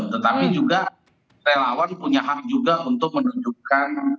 tetapi juga relawan punya hak juga untuk menunjukkan